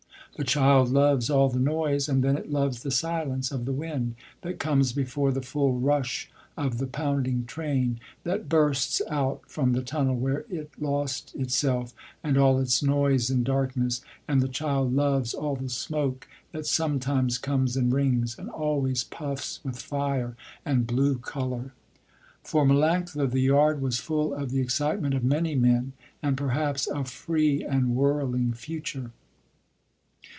The child loves all the noise, and then it loves the silence of the wind that comes before the full rush of the pounding train, that bursts out from the tunnel where it lost itself and all its noise in darkness, and the child loves all the smoke, that sometimes comes in rings, and always puffs with fire and blue color. For Melanctha the yard was full of the excitement of many men, and perhaps a free and whirling future.